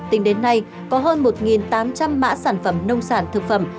tính đến nay có hơn một tám trăm linh mã sản phẩm nông sản thực phẩm